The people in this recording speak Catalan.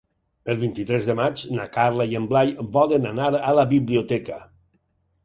El vint-i-tres de maig na Carla i en Blai volen anar a la biblioteca.